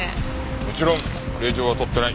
もちろん令状は取ってない。